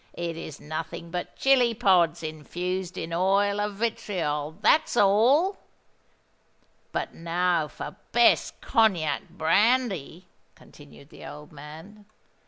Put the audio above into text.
It's nothing but chili pods infused in oil of vitriol—that's all! But now for Best Cognac Brandy," continued the old man.